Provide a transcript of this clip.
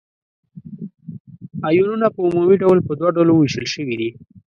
آیونونه په عمومي ډول په دوه ډلو ویشل شوي دي.